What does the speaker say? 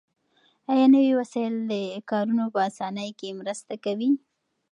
آیا نوي وسایل د کارونو په اسانۍ کې مرسته کوي؟